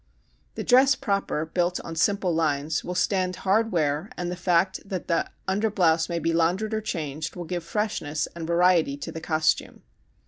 The dress proper, built on simple lines, will stand hard wear and the fact that the underblouse may be laundered or changed will give freshness and variety to the costume.